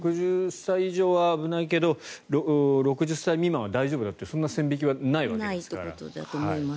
６０歳以上は危ないけど６０歳未満は大丈夫だというそんな線引きはないですから。